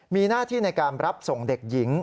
มีหน้าที่ในการรับส่งเด็กหญิง